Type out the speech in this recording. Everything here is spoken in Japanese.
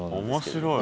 面白い。